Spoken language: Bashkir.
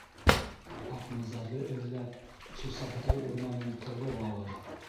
Аҡназарҙы эҙләп, Сусаҡтау урманын ҡыҙыралыр.